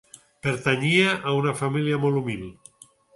Pertanyia a una família molt humil.